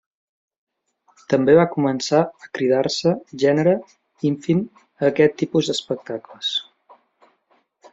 També va començar a cridar-se gènere ínfim a aquest tipus d'espectacles.